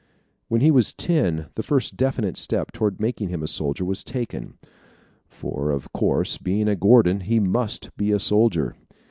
When he was ten, the first definite step toward making him a soldier was taken for of course, being a Gordon, he must be a soldier.